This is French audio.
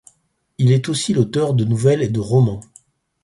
Il est aussi l'auteur de nouvelles et de romans.